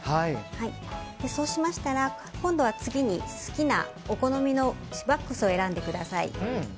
そうしましたら今度は好きな、お好みのワックスを選んでください。